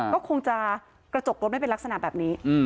ก็คงจะกระจกรถไม่เป็นลักษณะแบบนี้